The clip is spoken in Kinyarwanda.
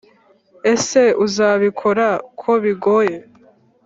Ese uzabikora kobigoye.